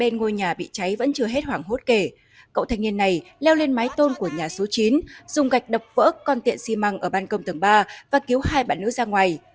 một người phụ nữ bị cháy vẫn chưa hết hoảng hốt kể cậu thanh niên này leo lên mái tôn của nhà số chín dùng gạch đập vỡ con tiện xi măng ở ban công tầng ba và cứu hai bạn nữ ra ngoài